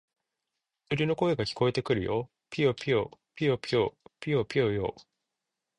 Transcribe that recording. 鳥の声が聞こえてくるよ。ぴよぴよ、ぴよぴよ、ぴよぴよよ。